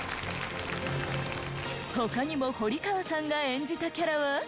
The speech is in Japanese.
他にも堀川さんが演じたキャラは。